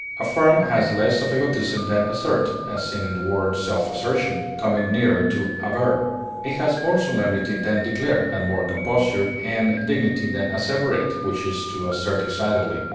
Affirm has less of egotism than assert (as seen in the word self assertion), coming nearer to aver. It has more solemnity than declare, and more composure and dignity than asseverate, which is to assert excitedly.